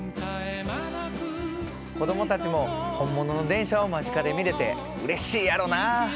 子供たちも本物の電車を間近で見れてうれしいやろな。